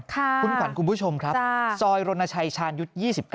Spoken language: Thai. คุณขวัญคุณผู้ชมครับซอยรณชัยชาญยุทธ์๒๙